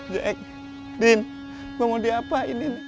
jack udin gua mau diapain ini